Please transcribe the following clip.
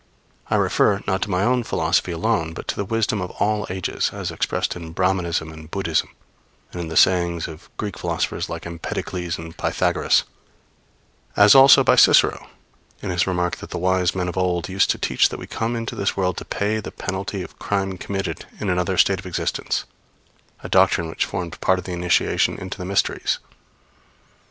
I refer, not to my own philosophy alone, but to the wisdom of all ages, as expressed in Brahmanism and Buddhism, and in the sayings of Greek philosophers like Empedocles and Pythagoras; as also by Cicero, in his remark that the wise men of old used to teach that we come into this world to pay the penalty of crime committed in another state of existence a doctrine which formed part of the initiation into the mysteries.